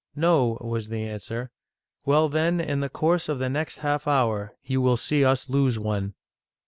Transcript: " No," was the answer. "Well, then, in the, course of the next half hour, you will see us lose one